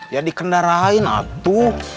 ya dikendarain atu